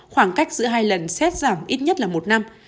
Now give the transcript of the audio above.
khoảng cách giữa hai lần xét giảm ít nhất là một năm